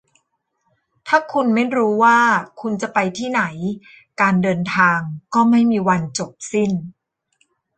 ถ้าคุณไม่รู้ว่าคุณจะไปที่ไหน การเดินทางก็ไม่มีวันจบสิ้น